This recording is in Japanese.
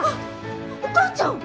お母ちゃん！